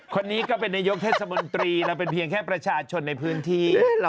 คนนี้ก็เป็นนายกเทศมนตรีเราเป็นเพียงแค่ประชาชนในพื้นที่